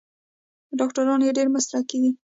ډاکټران یې ډیر مسلکي دي.